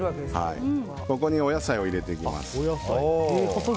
ここにお野菜を入れていきます。